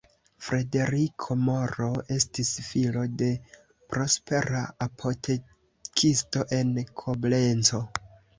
Frederiko Moro estis filo de prospera apotekisto en Koblenco.